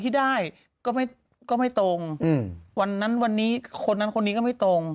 คนที่ได้ก็ไม่ตรงคนนั้นคนนี้ก็ไม่ตรง